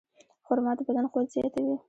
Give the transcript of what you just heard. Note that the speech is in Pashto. خرما د بدن قوت زیاتوي.